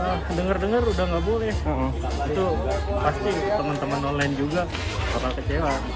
tapi denger denger udah gak boleh itu pasti temen temen online juga bakal kecewa